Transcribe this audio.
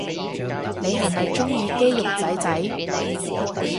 你係咪鍾意肌肉仔仔